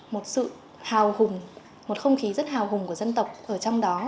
một sự hào hùng một không khí rất hào hùng của dân tộc ở trong đó